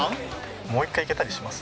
もう一回いけたりします？